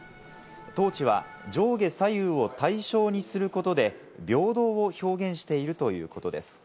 トーチは上下左右を対称にすることで平等を表現しているということです。